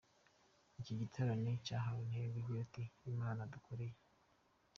Iki giterane cyahawe intego igira iti : Imana yadukoreye